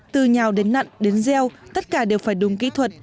từ nhào đến nặn đến gieo tất cả đều phải đúng kỹ thuật